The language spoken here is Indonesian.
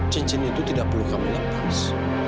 cincin itu tidak perlu kami lepas